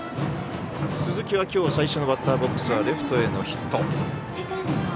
鈴木は今日最初のバッターボックスはレフトへのヒット。